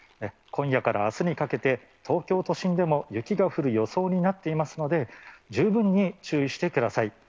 今夜からあすにかけて、東京都心でも雪が降る予想になっていますので、十分に注意してください。